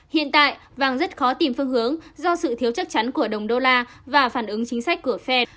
hiện tại vàng rất khó tìm phương hướng do sự thiếu chắc chắn của đồng đô la và phản ứng chính sách của fair